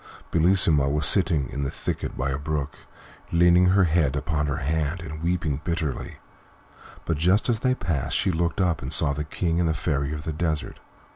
Bellissima was sitting in a little thicket by a brook, leaning her head upon her hand and weeping bitterly, but just as they passed she looked up and saw the King and the Fairy of the Desert.